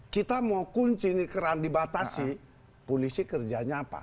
kita mau kunci ini keran dibatasi polisi kerjanya apa